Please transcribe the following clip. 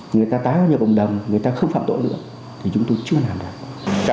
người ta tái vào nhà cộng đồng người ta không phạm tội nữa thì chúng tôi chưa làm được